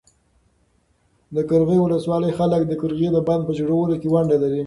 د قرغیو ولسوالۍ خلک د قرغې د بند په جوړولو کې ونډه لري.